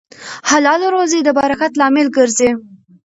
حلاله روزي د برکت لامل ګرځي.